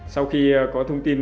sau khi có thông tin